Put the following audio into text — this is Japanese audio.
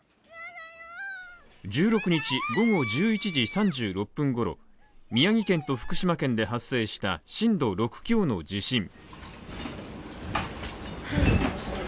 １６日午後１１時３６分頃、宮城県と福島県で発生した震度６強の地震。